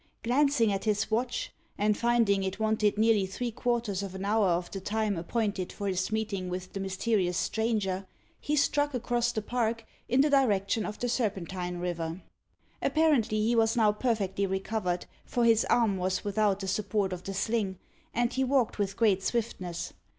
Glancing at his watch, and finding it wanted nearly three quarters of an hour of the time appointed for his meeting with the mysterious stranger, he struck across the park, in the direction of the Serpentine River. Apparently he was now perfectly recovered, for his arm was without the support of the sling, and he walked with great swiftness.